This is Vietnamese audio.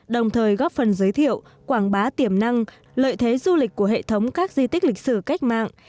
đồng thời góp phần giới thiệu quảng bá tiềm năng lợi thế du lịch của hệ thống các di tích lịch sử cách mạng